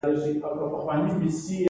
اړونده مقررې باید تثبیت او چمتو شي.